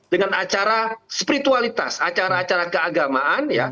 dengan acara spiritualitas acara acara keagamaan